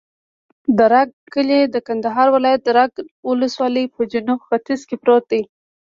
د رګ کلی د کندهار ولایت، رګ ولسوالي په جنوب ختیځ کې پروت دی.